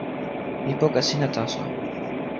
mi poka sina taso.